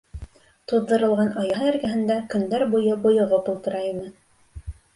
Туҙҙырылған ояһы эргәһендә көндәр буйы бойоғоп ултыра ине.